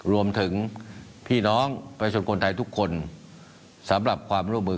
รวมถึงพี่น้องประชาชนคนไทยทุกคนสำหรับความร่วมมือ